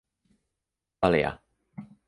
Earlier.